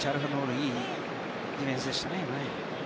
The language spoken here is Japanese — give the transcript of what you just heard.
今、いいディフェンスでしたね。